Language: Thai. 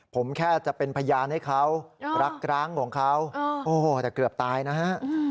ผมแค่จะเป็นพยานให้เขารักร้างของเขาโอ้โหแต่เกือบตายนะฮะ